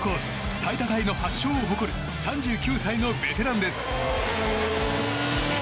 最多タイの８勝を誇る３９歳のベテランです。